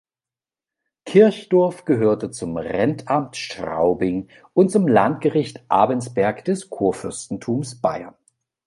Kirchdorf gehörte zum Rentamt Straubing und zum Landgericht Abensberg des Kurfürstentums Bayern.